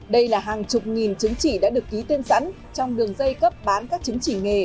đây là hàng chục nghìn chứng chỉ đã được ký tên sẵn trong đường dây cấp bán các chứng chỉ nghề